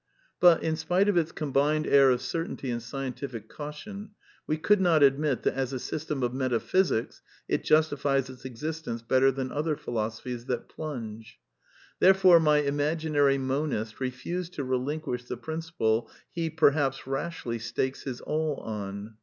But, in spite of its combined air of certainty and scientific caution, we could not admit that as a system of metaphysics it justifies its existence better than other philosophies that plunge. Therefore my imaginary monist refused to relinquish the principle he (perhaps rashly) stakes his all on.